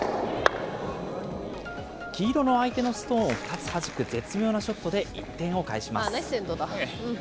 黄色の相手のストーンを２つはじく絶妙なショットで１点を返します。